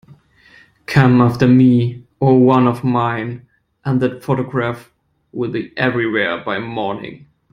Come after me or one of mine, and that photograph will be everywhere by morning.